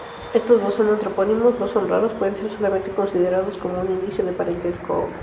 Estos dos antropónimos no son raros; pueden solamente considerarse como un indicio de parentesco.